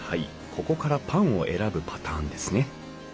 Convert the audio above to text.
ここからパンを選ぶパターンですね。